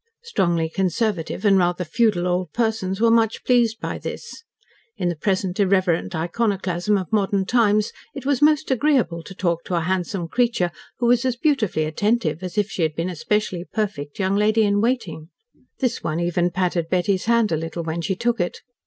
Strongly conservative and rather feudal old persons were much pleased by this. In the present irreverent iconoclasm of modern times, it was most agreeable to talk to a handsome creature who was as beautifully attentive as if she had been a specially perfect young lady in waiting. This one even patted Betty's hand a little, when she took it.